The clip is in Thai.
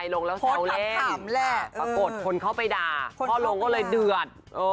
โดดถามแหละปรากฏคนเขาไปด่าพ่อลงก็เลยเดือด